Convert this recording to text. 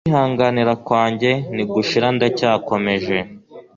kwihanganira kwanjye ntigushira ndacyabikomeje